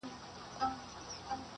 ددې خاوري ارغوان او زغن زما دی٫